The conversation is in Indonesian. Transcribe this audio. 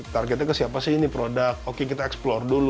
targetnya ke siapa sih ini produk oke kita eksplore dulu